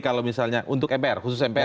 kalau misalnya untuk mpr